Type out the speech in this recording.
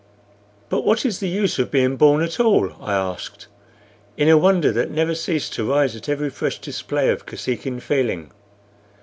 "But what is the use of being born at all?" I asked, in a wonder that never ceased to rise at every fresh display of Kosekin feeling.